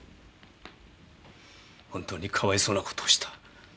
本当にかわいそうなことをした。